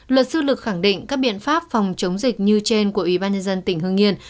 luật sư lực khẳng định các biện pháp phòng chống dịch như trên của ubnd tỉnh hương yên